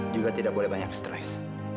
juga tidak boleh banyak stres